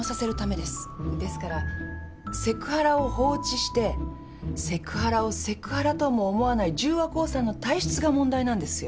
ですからセクハラを放置してセクハラをセクハラとも思わない十和興産の体質が問題なんですよ。